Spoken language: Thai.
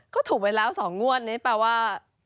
ก็ถูกไว้แล้ว๒งวดนี้แปลว่า